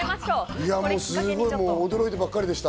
すごい、驚いてばかりでした。